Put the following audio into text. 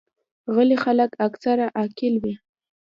غلي خلک اکثره عاقل وي.